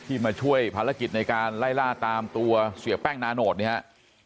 มาช่วยภารกิจในการไล่ล่าตามตัวเสียแป้งนาโนตเนี่ยครับ